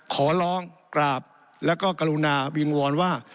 ขอร้องกราบแล้วก็กรุณาวิงวอนว่า